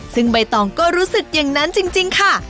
ซึ่งใบตองก็รู้สึกอย่างนั้นจริงค่ะ